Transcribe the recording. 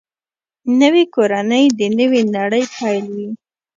نوې کورنۍ د نوې نړۍ پیل وي